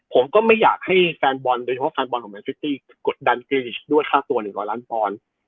ผมก็ไม่อยากให้แฟนบอลโดยเฉพาะแฟนบอลของแมนต์ฟิตตี้กดดันกิจด้วยค่าตัวหนึ่งร้อยล้านบอล